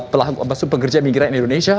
pelaku maksudnya pekerja migran di indonesia